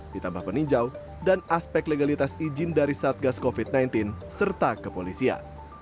ditambah peninjau dan aspek legalitas izin dari satgas covid sembilan belas serta kepolisian